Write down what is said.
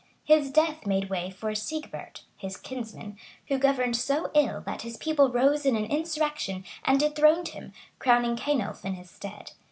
His death made way for Sigebert, his kinsman, who governed so ill, that his people rose in an insurrection, and dethroned him, crowning Cenulph in his stead.